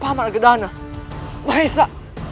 pak malgedana mahesa